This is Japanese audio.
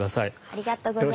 ありがとうございます。